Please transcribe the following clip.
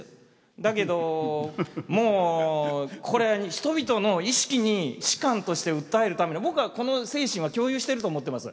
だけどもうこれは人々の意識に史観として訴えるために僕はこの精神は共有してると思ってます。